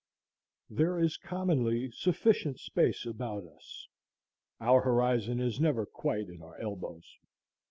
There is commonly sufficient space about us. Our horizon is never quite at our elbows.